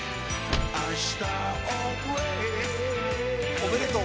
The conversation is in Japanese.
おめでとう。